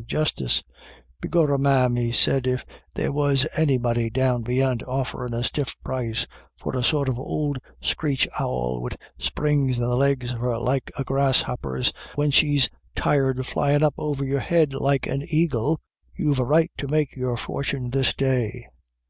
of justice u Begorrah, ma'am," he said, " if there was any body down beyant offerin' a stiff price for a sort of ould screech owl wid springs in the legs of her like a grasshopper's, when she's tired flyin' up over your head like an aigle, you've a right to make your fortin this day.